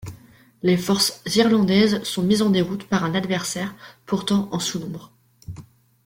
Les forces irlandaises sont mises en déroute par un adversaire pourtant en sous-nombre.